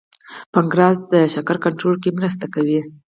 پنکراس د شکر کنټرول کې مرسته کوي